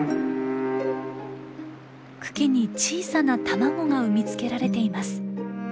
茎に小さな卵が産み付けられています。